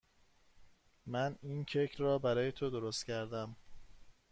من این کیک را برای تو درست کردم.